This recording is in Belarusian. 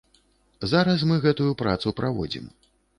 Зараз мы гэтую працу праводзім.